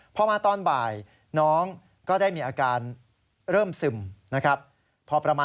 พอมาตอนบ่ายน้องก็ได้มีอาการเริ่มซึมนะครับ